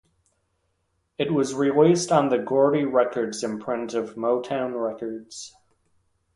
It was released on the Gordy Records imprint of Motown Records.